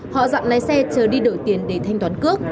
họ dặn lái xe chờ đi đổi tiền để thanh toán cước